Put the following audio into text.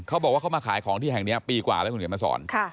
เขาบอกว่าเขามาขายของที่แห่งนี้ปีกว่าแล้วคุณเขียนมาสอน